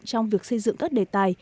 trong việc xây dựng các đề tài